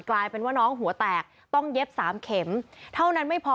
กลายเป็นว่าน้องหัวแตกต้องเย็บสามเข็มเท่านั้นไม่พอ